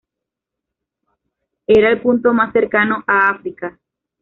Era el punto más cercano a África.